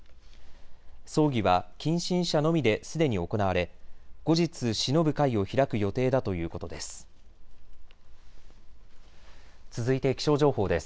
葬儀は近親者のみですでに行われ後日、しのぶ会を開く予定だということです。